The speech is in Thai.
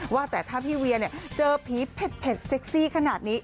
ว่าแต่ถ้าพี่เวียเจอผีเผ็ดเซ็กซี่ขนาดนี้